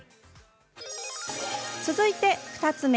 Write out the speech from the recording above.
続いて、２つ目。